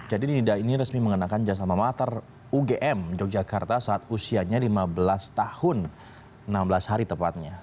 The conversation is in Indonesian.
nida ini resmi mengenakan jasa memater ugm yogyakarta saat usianya lima belas tahun enam belas hari tepatnya